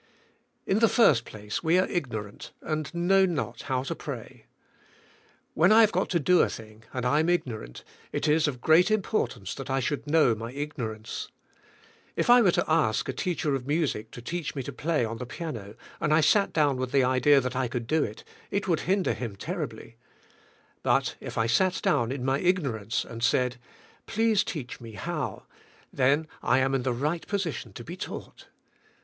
In the first place we are ignoront and know not how to pray. When I have got to do a thing and I am ignorant, it is of great importance that I should know my ignorance. If I were to ask a teacher of music to teach me to play on the piano and I sat down with the idea that I could do it, it would hin der him terribly But if I sat down in my ignor ance and said, please teach me how, then I am in the right position to be taught.